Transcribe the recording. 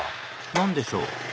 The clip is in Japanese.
何でしょう？